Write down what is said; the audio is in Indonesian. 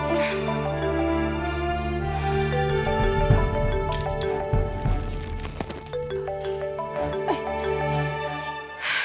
aku mau ke rumah